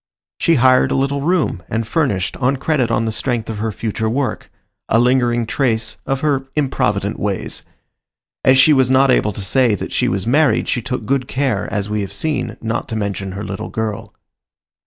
She hired a little room and furnished on credit on the strength of her future work—a lingering trace of her improvident ways. As she was not able to say that she was married she took good care, as we have seen, not to mention her little girl.